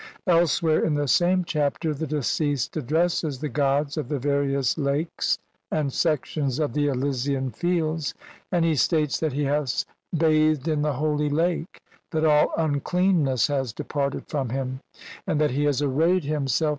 Elsewhere in the same Chapter the deceased addresses the gods of the various lakes and sections of the Elysian Fields, and he states that he has bathed in the holy lake, that all uncleanness has departed from him, and that he has arrayed himself CXIV INTRODUCTION.